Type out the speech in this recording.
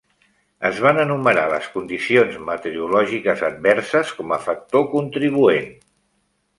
Es van enumerar les condicions meteorològiques adverses com a factor contribuent.